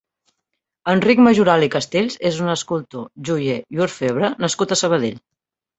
Enric Majoral i Castells és un escultor, joier i orfebre nascut a Sabadell.